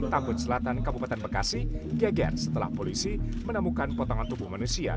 takut selatan kabupaten bekasi geger setelah polisi menemukan potongan tubuh manusia